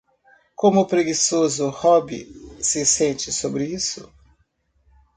Como o preguiçoso Robbie se sente sobre isso?